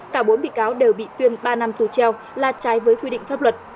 cả bốn bị cáo đều bị tuyên ba năm tù treo là trái với quy định pháp luật